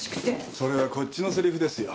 それはこっちのセリフですよ。